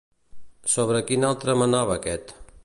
Sobre quin altre manava aquest?